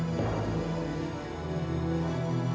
kalau gitu mama pulang sekarang ya